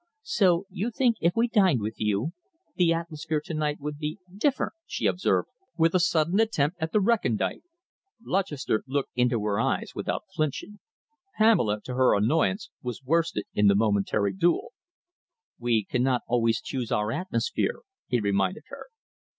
"So you think if we dined with you, the atmosphere to night would be different?" she observed, with a sudden attempt at the recondite. Lutchester looked into her eyes without flinching. Pamela, to her annoyance, was worsted in the momentary duel. "We cannot always choose our atmosphere," he reminded her.